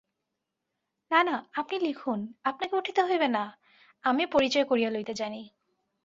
না না, আপনি লিখুন, আপনাকে উঠিতে হইবে না–আমি পরিচয় করিয়া লইতে জানি।